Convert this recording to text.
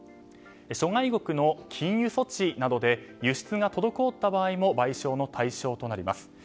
諸外国の禁輸措置などで輸出が滞った場合も賠償の対象となります。